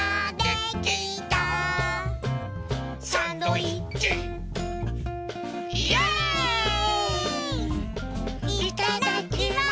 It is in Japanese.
いただきます！